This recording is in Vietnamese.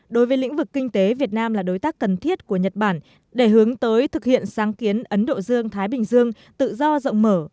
đối với lĩnh vực kinh tế việt nam là đối tác cần thiết của nhật bản để hướng tới thực hiện sáng kiến ấn độ dương thái bình dương tự do rộng mở